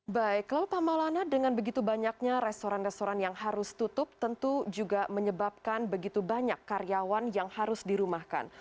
baik lalu pak maulana dengan begitu banyaknya restoran restoran yang harus tutup tentu juga menyebabkan begitu banyak karyawan yang harus dirumahkan